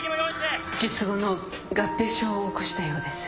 術後の合併症を起こしたようです